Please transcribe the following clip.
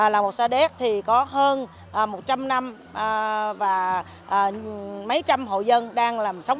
lào bột sa đéc có hơn một trăm linh năm và mấy trăm hội dân đang sống